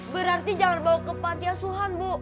berarti jangan bawa ke panti asuhan bu